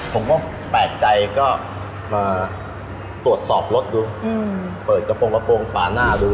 ผมก็แปลกใจก็มาตรวจสอบรถดูเปิดกระโปรงกระโปรงฝาหน้าดู